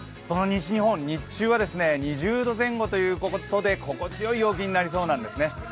その西日本、日中は２０度前後ということで心地よい陽気になりそうなんですね。